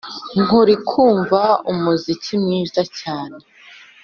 nkurikumva umuziki mwiza cyane.